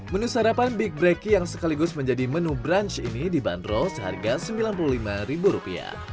menu sarapan big brecky yang sekaligus menjadi menu brunch ini dibanderol seharga rp sembilan puluh lima